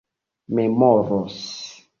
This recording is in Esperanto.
memoros